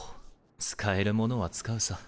使えるものは使うさ。